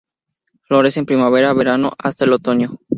Florece en primavera, verano, hasta el otoño.